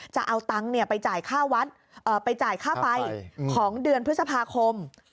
จะเอาตังค์ไปจ่ายค่าวัดไปจ่ายค่าไฟของเดือนพฤษภาคม